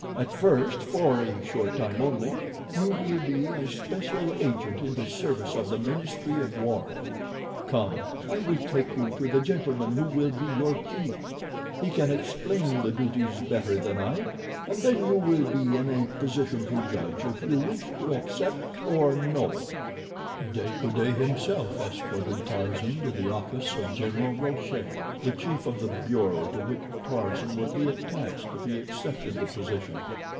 "At first, for a short time only, you will be a special agent in the service of the ministry of war. Come, I will take you to the gentleman who will be your chief. He can explain the duties better than I, and then you will be in a position to judge if you wish to accept or no." De Coude himself escorted Tarzan to the office of General Rochere, the chief of the bureau to which Tarzan would be attached if he accepted the position.